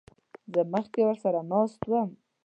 زه مخکې ورسره ناست وم.